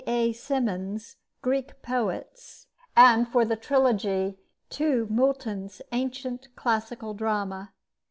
A. Symonds's 'Greek Poets,' and, for the trilogy, to Moulton's 'Ancient Classical Drama.'